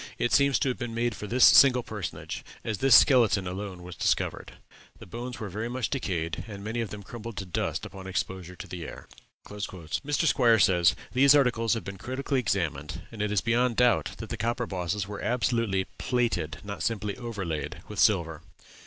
It seems to have been made for this single personage, as this skeleton alone was discovered. The bones were very much decayed, and many of them crumbled to dust upon exposure to the air." Mr. Squier says, "These articles have been critically examined, and it is beyond doubt that the copper bosses were absolutely plated, not simply overlaid, with silver.